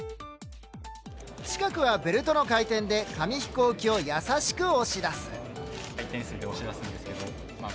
近くはベルトの回転で紙飛行機を優しく押し出す。